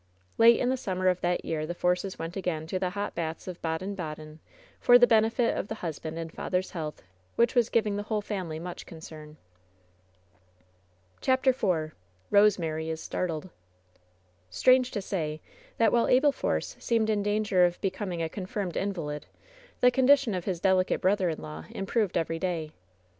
Late in the summer of that year the Forces went again to the hot baths of Baden Baden for the benefit of the husband and father's health, which was giving the whole family much concern. CHAPTER IV BOSEMABY IS STABTLED Stbange to say, that while Abel Force seemed in dan ger of becoming a confirmed invalid, the condition of his delicate brother in law improved every day.